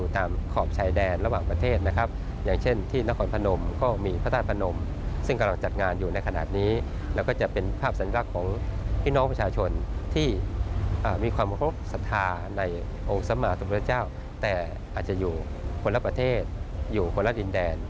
แต่อาจจะอยู่คนละประเทศอยู่คนละดินแดน